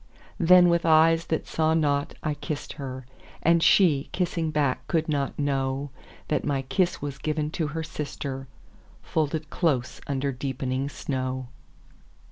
Then, with eyes that saw not, I kissed her; And she, kissing back, could not knowThat my kiss was given to her sister, Folded close under deepening snow.